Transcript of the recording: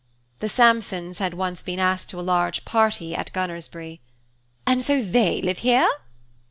The Sampsons had been asked once to a large party at Gunnersbury. "And so they live here?"